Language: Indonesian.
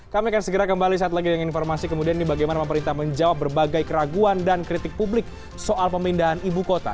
kami akan segera kembali saat lagi dengan informasi kemudian ini bagaimana pemerintah menjawab berbagai keraguan dan kritik publik soal pemindahan ibu kota